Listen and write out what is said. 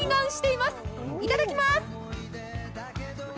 いただきまーす。